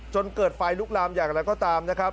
จนเกิดไฟลุกลามอย่างไรก็ตามนะครับ